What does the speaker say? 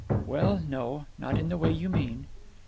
"Well, no. Not in the way you mean."